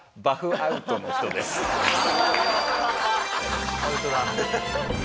アウトだ。